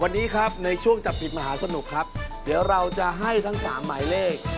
วันนี้ครับในช่วงจับผิดมหาสนุกครับเดี๋ยวเราจะให้ทั้งสามหมายเลข